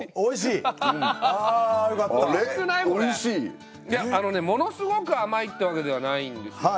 いやあのねものすごく甘いってわけではないんですよ。